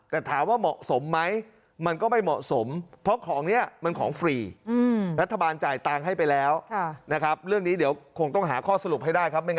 แต่ถามว่าเหมาะสมไหมมันก็ไม่เหมาะสม